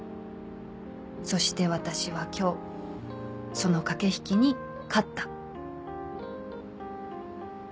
「そして私は今日その駆け引きに勝った」